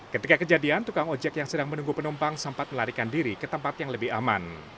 ketika kejadian tukang ojek yang sedang menunggu penumpang sempat melarikan diri ke tempat yang lebih aman